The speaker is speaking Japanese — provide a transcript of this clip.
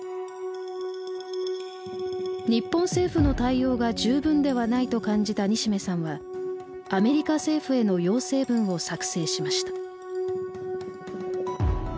日本政府の対応が十分ではないと感じた西銘さんはアメリカ政府への要請文を作成しました。